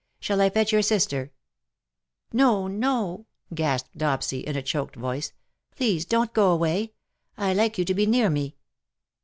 Shall I fetch your sister/^ "Noj no/' gasped Dopsy, in a choked voice. '' Please don^t go away. I like you to be near me.